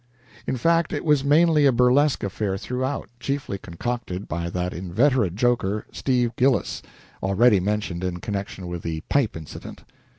In fact, it was mainly a burlesque affair throughout, chiefly concocted by that inveterate joker, Steve Gillis, already mentioned in connection with the pipe incident.